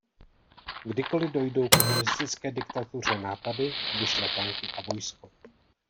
Kdykoli dojdou komunistické diktatuře nápady, vyšle tanky a vojsko.